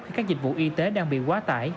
khi các dịch vụ y tế đang bị quá tải